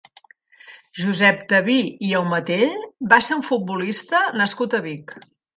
Josep Daví i Aumatell va ser un futbolista nascut a Vic.